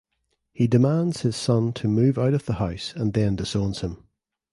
He demands his son to move out of the house and then disowns him.